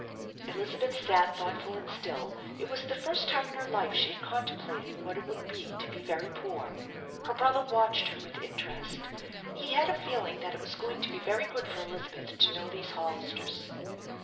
Elizabeth sat thoughtful and still. It was the first time ID her life she had contemplated what it would be to be very poor. Her brother watched her with interest. He had a feeling that it was going to be very good for Elizabeth to know these Hollisters.